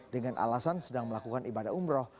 dengan alasan sedang melakukan ibadah umroh